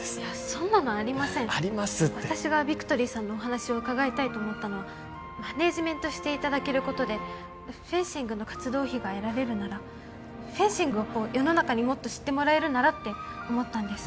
そんなのありませんありますって私がビクトリーさんのお話を伺いたいと思ったのはマネージメントしていただけることでフェンシングの活動費が得られるならフェンシングを世の中にもっと知ってもらえるならって思ったんです